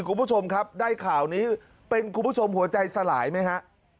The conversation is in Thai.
คุณผู้ชมครับได้ข่าวนี้เป็นคุณผู้ชมหัวใจสลายไหมฮะ